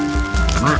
ini buat mak